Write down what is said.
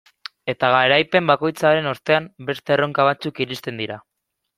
Eta garaipen bakoitzaren ostean beste erronka batzuk iristen dira.